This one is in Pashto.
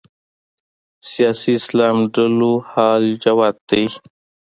سیاسي اسلام ډلو حال جوت دی